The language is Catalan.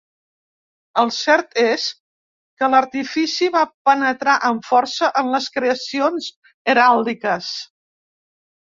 El cert és que l'artifici va penetrar amb força en les creacions heràldiques.